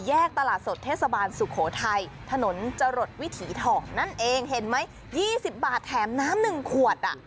ตลาดสดเทศบาลสุโขทัยถนนจรดวิถีทองนั่นเองเห็นไหม๒๐บาทแถมน้ำ๑ขวดอ่ะ